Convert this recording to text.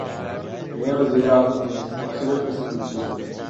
نیا وزیر اعظم مختلف قسم کی چیز ہے۔